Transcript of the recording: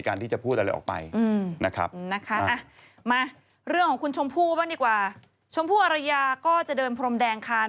อ๋อก็คงจะเหมือนคุณหรือเปล่า